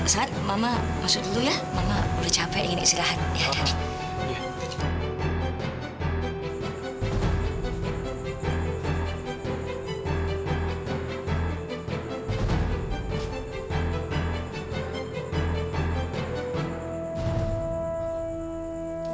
saat mama masuk dulu ya mama udah capek ingin istirahat